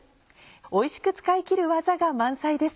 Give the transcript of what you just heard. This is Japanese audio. おいしく使い切る技が満載です。